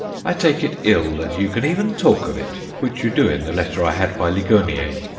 I take it ill that you can even talk of it, which you do in the letter I had by Ligonier.